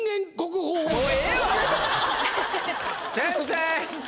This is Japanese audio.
先生！